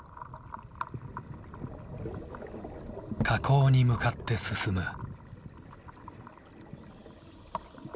河口に向かって進む。